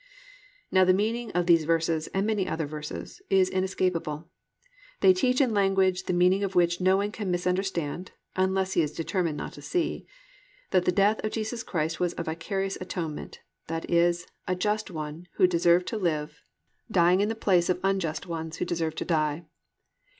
"+ Now the meaning of these verses and many other verses, is inescapable. They teach in language the meaning of which no one can misunderstand (unless he is determined not to see) that the death of Jesus Christ was a vicarious atonement, that is, a just one, who deserved to live, dying in the place of unjust ones who deserved to die.